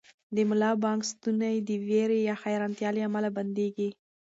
د ملا بانګ ستونی د وېرې یا حیرانتیا له امله بندېږي.